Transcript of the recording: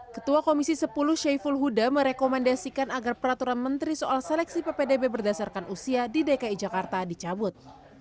ketua komisi sepuluh syaiful huda merekomendasikan agar peraturan menteri soal seleksi ppdb berdasarkan usia di dki jakarta dicabut